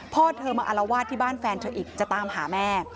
พ่อเธอมาอารวาสที่บ้านแฟนเธออีกจะตามหาแม่